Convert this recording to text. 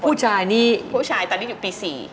ผู้ชายนี่ผู้ชายตอนนี้อยู่ปี๔